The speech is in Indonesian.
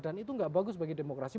dan itu gak bagus bagi demokrasi